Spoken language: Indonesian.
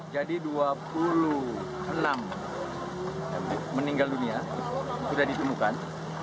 jadi dua puluh enam meninggal dunia sudah ditemukan